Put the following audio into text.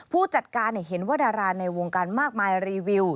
ผู้จัดการเห็นว่าดาราในวงการมากมายรีวิว